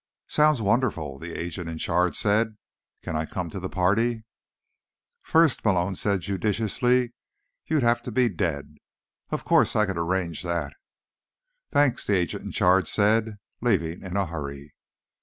"Sounds wonderful," the agent in charge said. "Can I come to the party?" "First," Malone said judiciously, "you'd have to be dead. Of course, I can arrange that—" "Thanks," the agent in charge said, leaving in a hurry.